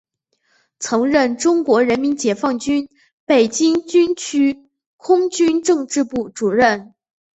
曾任中国人民解放军北京军区空军政治部主任。